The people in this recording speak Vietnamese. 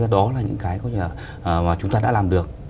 đó là những cái mà chúng ta đã làm được